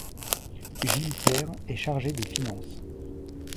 Gilles Paire est chargé des finances.